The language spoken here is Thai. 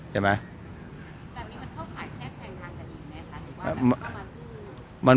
ใช่มั้ย